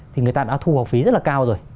thì người ta đã thu học phí rất là cao rồi